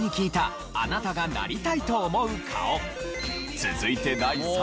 続いて第３位は。